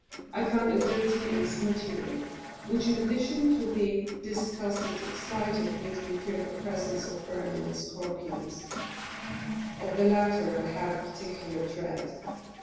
I found a dirty and smutty room, which, in addition to the disgust it excited, made me fear the presence of vermin and scorpions; of the latter I had a particular dread.